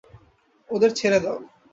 ওদের ছেড়ে দাও।